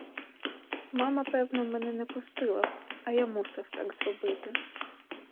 Мама певно мене не пустила б, а я мусив так зробити.